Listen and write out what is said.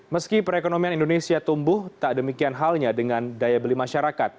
meski perekonomian indonesia tumbuh tak demikian halnya dengan daya beli masyarakat